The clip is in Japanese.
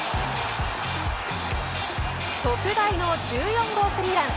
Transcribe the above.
特大の１４号スリーラン。